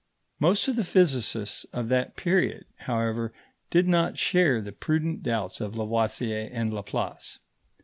Most of the physicists of that period, however, did not share the prudent doubts of Lavoisier and Laplace.